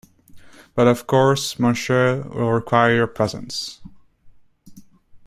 But of course Monsieur will require your presence.